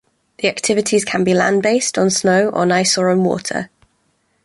The activities can be land-based, on snow, on ice or on water.